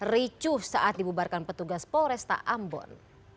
ricuh saat dibubarkan petugas polresta ambon